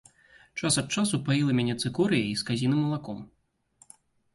Час ад часу паіла мяне цыкорыяй з казіным малаком.